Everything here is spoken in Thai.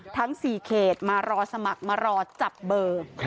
ทั้ง๔เขตมารอสมัครมารอจับเบอร์